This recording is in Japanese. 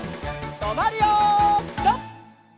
とまるよピタ！